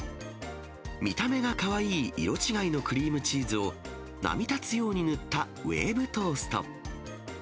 見た目がかわいい色違いのクリームチーズを波立つように塗ったウェーブトースト。